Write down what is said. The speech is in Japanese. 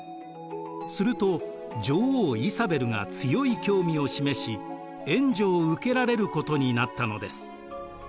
すると女王イサベルが強い興味を示し援助を受けられることになったのです。